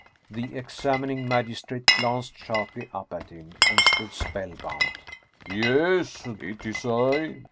" The examining magistrate glanced sharply up at him, and stood spellbound. "Yes, it is I.